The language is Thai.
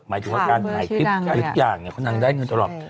หมายถึงว่าการหายคลิปหายทุกอย่างเค้านั่งได้เงินตลอด